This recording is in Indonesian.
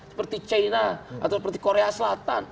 seperti china atau seperti korea selatan